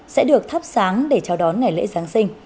sẽ được thắp sáng để chào đón ngày lễ giáng sinh